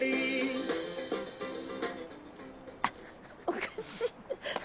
おかしい。